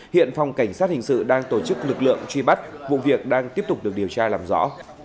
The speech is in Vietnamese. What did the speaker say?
hiện phòng cảnh sát hình sự đang tổ chức lực lượng truy bắt vụ việc đang tiếp tục được điều tra làm rõ